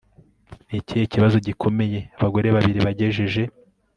Ni ikihe kibazo gikomeye abagore babiri bagejeje